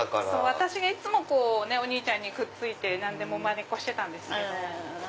私がいつもお兄ちゃんにくっついてまねっこしてたんですけど。